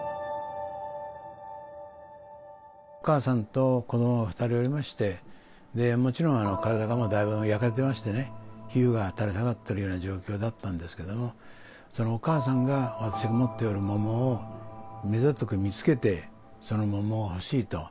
お母さんと子ども２人おりまして、もちろん体がもうだいぶん焼かれてましてね、皮膚が垂れ下がってるような状況だったんですけれども、そのお母さんが、私が持っておる桃を目ざとく見つけて、その桃が欲しいと。